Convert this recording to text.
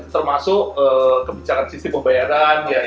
termasuk kebijakan sisi pembayaran